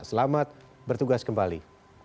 selamat bertugas kembali